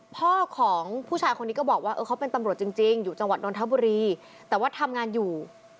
พ่อของผู้ชายคนนี้ก็บอกว่าเออเขาเป็นตำรวจจริงอยู่จังหวัดนทบุรีแต่ว่าทำงานอยู่